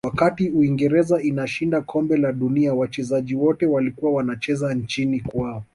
wakati uingereza inashinda kombe la dunia wachezaji wote walikuwa wanacheza nchini kwao